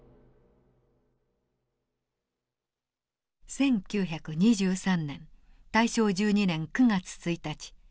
１９２３年大正１２年９月１日。